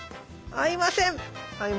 合いません。